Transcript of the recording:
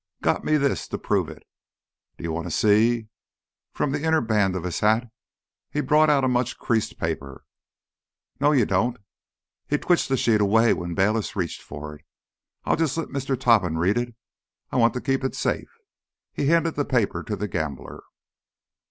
Got me this to prove it. Do you want to see?" From the inner band of his hat he brought out a much creased paper. "No, you don't!" He twitched the sheet away when Bayliss reached for it. "I'll jus' let Mister Topham read it. I want to keep it safe." He handed the paper to the gambler.